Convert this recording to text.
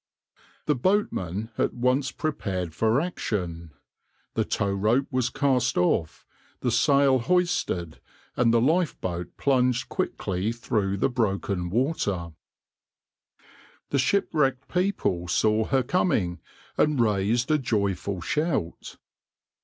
The boatmen at once prepared for action. The tow rope was cast off, the sail hoisted, and the lifeboat plunged quickly through the broken water.\par The shipwrecked people saw her coming, and raised a joyful shout.